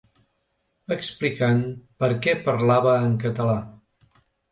Explicant per què parlava en català.